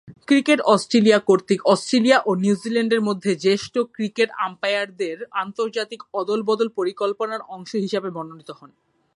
Cricket Australia কর্তৃক Australia ও নিউজিল্যান্ডের মধ্যে জ্যেষ্ঠ ক্রিকেট আম্পায়ারদের আন্তর্জাতিক অদল-বদল পরিকল্পনার অংশ হিসেবে মনোনীত হন।